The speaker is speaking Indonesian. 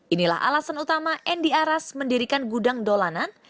inilah alasan utama endi aras mendirikan gudang dolanan